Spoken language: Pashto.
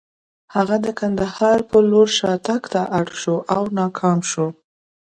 هغه د کندهار په لور شاتګ ته اړ شو او ناکام شو.